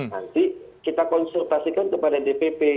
nanti kita konsultasikan kepada dpp